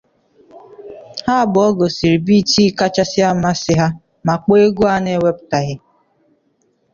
Ha abụọ gosiri biiti kachasị amasị ha, ma kpọọ egwu a na-ewepụtaghị.